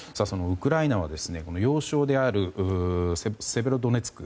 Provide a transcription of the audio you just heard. ウクライナは要衝であるセベロドネツク